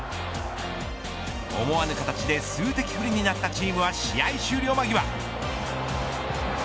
思わぬ形で数的不利になったチームは試合終了間際。